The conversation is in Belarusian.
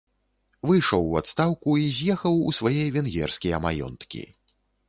Выйшаў у адстаўку і з'ехаў у свае венгерскія маёнткі.